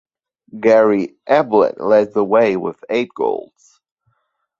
Gary Ablett led the way with eight goals.